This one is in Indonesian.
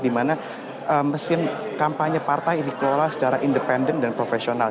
di mana mesin kampanye partai dikelola secara independen dan profesional